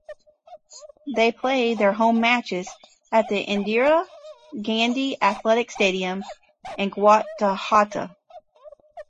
They play their home matches at the Indira Gandhi Athletic Stadium in Guwahati.